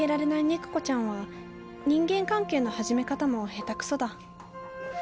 肉子ちゃんは人間関係の始め方も下手クソだ。